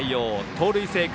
盗塁成功。